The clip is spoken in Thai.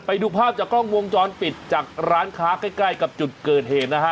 ไปดูภาพจากกล้องวงจรปิดจากร้านค้าใกล้กับจุดเกิดเหตุนะฮะ